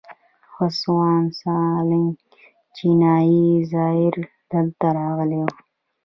هسوان سانګ چینایي زایر دلته راغلی و